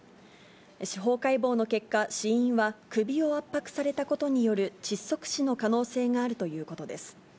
司法解剖の結果、死因は首を圧迫されたことによる窒息死の可能性があるということです。